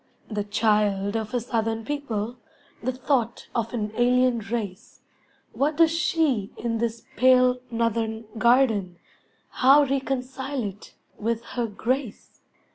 The child of a southern people, The thought of an alien race, What does she in this pale, northern garden, How reconcile it with her grace?